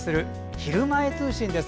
ひるまえ通信」です。